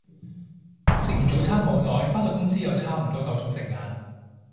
食完早餐冇耐，返到公司又差唔多夠鐘食晏